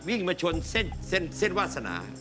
วิ่งมาชนเส้นวาสนา